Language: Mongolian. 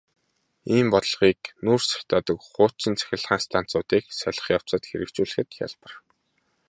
Ийм бодлогыг нүүрс шатаадаг хуучин цахилгаан станцуудыг солих явцад хэрэгжүүлэхэд хялбар.